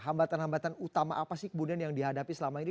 hambatan hambatan utama apa sih kemudian yang dihadapi selama ini